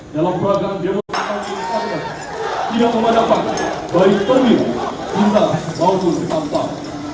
dalam peragangan demonstrasi tidak memadamkan baik pemirsa pintar maupun sekantar